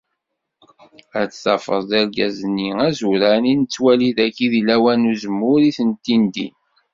Ad tafeḍ d argaz-nni azuran i nettwali dagi di lawan n uzemmur i tent-indin.